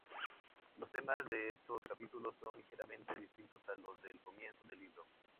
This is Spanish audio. Los temas de estos capítulos son ligeramente distintos a los del comienzo del libro.